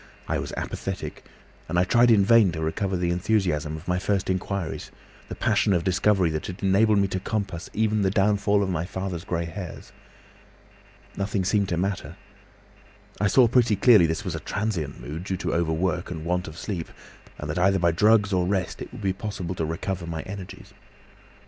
I was apathetic, and I tried in vain to recover the enthusiasm of my first inquiries, the passion of discovery that had enabled me to compass even the downfall of my father's grey hairs. Nothing seemed to matter. I saw pretty clearly this was a transient mood, due to overwork and want of sleep, and that either by drugs or rest it would be possible to recover my energies.